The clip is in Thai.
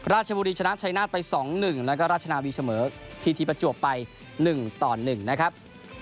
ราชบุรีชนะชัยนาศไป๒๑แล้วก็ราชนาวีเสมอพีทีประจวบไป๑ต่อ๑นะครับ